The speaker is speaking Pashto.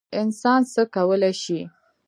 انسان څه کولی شي؟